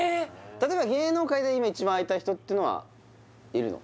例えば芸能界で今一番会いたい人っていうのはいるの？